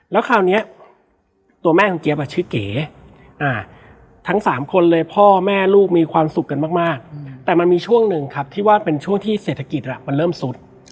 แล้วคราวนี้ตัวแม่ของเจี๊ยบชื่อเก๋ทั้ง๓คนเลยพ่อแม่ลูกมีความสุขกันมากแต่มันมีช่วงหนึ่งครับที่ว่าเป็นช่วงที่เศรษฐกิจมันเริ่มสุด